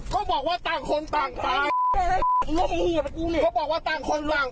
ก็บอกว่าต่างคนต่างไปบอกว่าต่างคนต่างไป